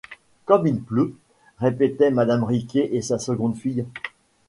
comme il pleut, répétaient Mme Riquet et sa seconde fille.